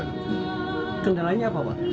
kendalanya apa pak